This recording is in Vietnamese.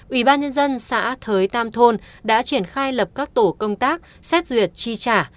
ủy ban nhân dân xã thới tam thôn đã triển khai lập các tổ công tác xét duyệt chi trả